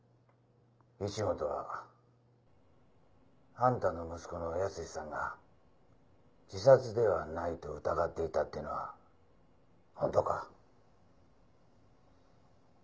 石本はあんたの息子の保志さんが自殺ではないと疑っていたっていうのは本当か？